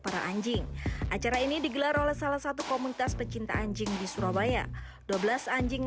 para anjing acara ini digelar oleh salah satu komunitas pecinta anjing di surabaya dua belas anjing